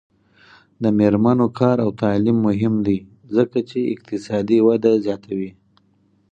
د میرمنو کار او تعلیم مهم دی ځکه چې اقتصادي وده زیاتوي.